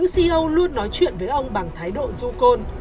lâu luôn nói chuyện với ông bằng thái độ du côn